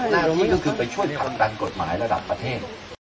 หน้าที่ก็คือไปช่วยผลักดันกฎหมายระดับประเทศ